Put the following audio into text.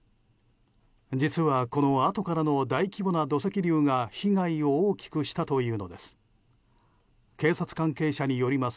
実は、このあとからの大規模な土石流が被害を大きくしたというのです。